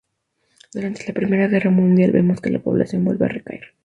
Durante la Primera Guerra Mundial vemos que la población vuelve a recaer.